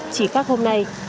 chỉ khác hôm nay